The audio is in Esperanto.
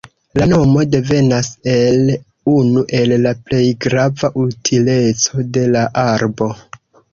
La nomo devenas el unu el la plej grava utileco de la arbo.